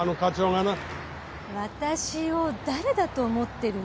私を誰だと思ってるの？